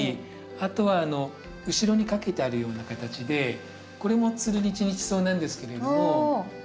あとは後ろに掛けてあるような形でこれもツルニチニチソウなんですけれども。